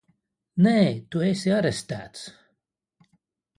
Nē! Tu esi arestēts!